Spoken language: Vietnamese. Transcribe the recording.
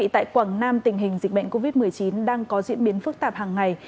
tại quảng nam tình hình dịch bệnh covid một mươi chín đang có diễn biến phức tạp hàng ngày